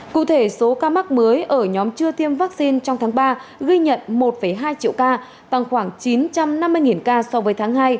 cụ thể số ca mắc mới ở nhóm chưa tiêm vaccine trong tháng ba ghi nhận một hai triệu ca tăng khoảng chín trăm năm mươi ca so với tháng hai